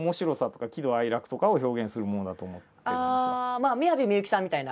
ああ宮部みゆきさんみたいな？